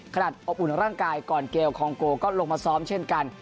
อบอุ่นร่างกายก่อนเกลคองโกก็ลงมาซ้อมเช่นกัน